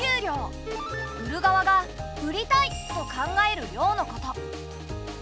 売る側が「売りたい」と考える量のこと。